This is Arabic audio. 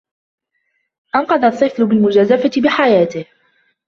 أنقذ الطفل بالمجازفة بحياته.